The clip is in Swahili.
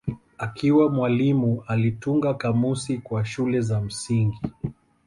Akiwa mwalimu alitunga kamusi kwa shule za msingi.